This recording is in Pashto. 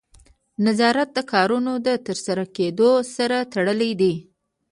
نظارت د کارونو د ترسره کیدو سره تړلی دی.